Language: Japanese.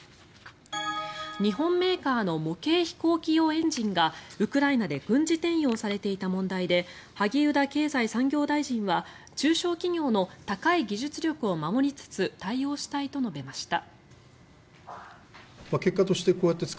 日本メーカーの模型飛行機用エンジンがウクライナで軍事転用されていた問題で萩生田経済産業大臣は中小企業の高い技術力を守りつつ対応したいと述べました。